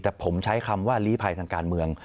แต่ผมใช้คำว่าลีภัยทางการเมือง